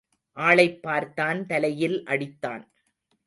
ஆளைப் பார்த்தான் தலையில் அடித்தான்.